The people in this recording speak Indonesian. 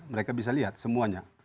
mereka bisa lihat semuanya